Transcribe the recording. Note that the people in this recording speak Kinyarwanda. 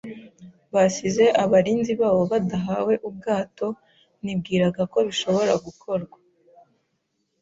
basize abarinzi babo badahawe ubwato, nibwiraga ko bishobora gukorwa